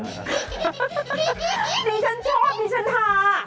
นี่ฉันชอบนี่ฉันหา